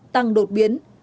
tăng đột biến